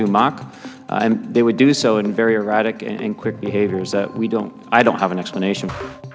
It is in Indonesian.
mereka akan melakukan hal hal yang sangat eratik dan cepat yang tidak saya jelaskan